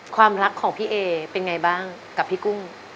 ความรักของพี่เอเป็นไงบ้างกับพี่กุ้ง